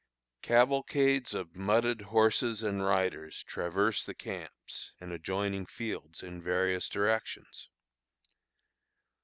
Cavalcades of mudded horses and riders traverse the camps and adjoining fields in various directions.